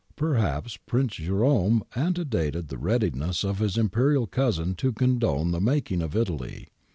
Perhaps Prince Jerome ante dated the readiness of his Imperial cousin to condone the making of Italy.